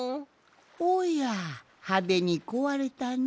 おやはでにこわれたのう。